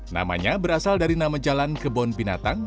namanya berasal dari nama jalan kebun binatang